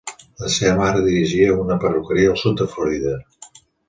La seva mare dirigia una perruqueria al sud de Florida.